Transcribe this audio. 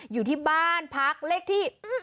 อยู่ที่บ้านพักเลขที่